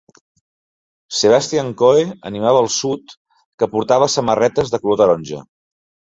Sebastion Coe animava el Sud, que portava samarretes de color taronja.